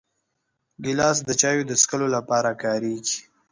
ګیلاس د چایو د څښلو لپاره کارېږي.